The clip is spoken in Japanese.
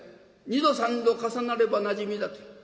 二度三度重なればなじみだと。